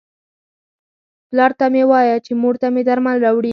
پلار ته مې وایه چې مور ته مې درمل راوړي.